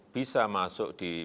bisa masuk di